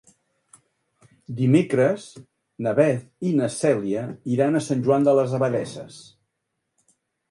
Dimecres na Beth i na Cèlia iran a Sant Joan de les Abadesses.